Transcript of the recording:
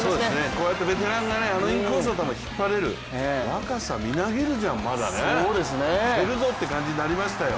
こうやってベテランがあのインコースの球を引っ張れる若さみなぎるじゃん、振れるぞという感じにまりますよ。